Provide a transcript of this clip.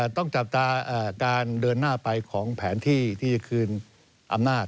ต้องจับตาการเดินหน้าไปของแผนที่ที่จะคืนอำนาจ